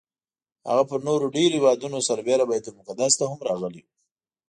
هغه پر نورو ډېرو هېوادونو سربېره بیت المقدس ته هم راغلی و.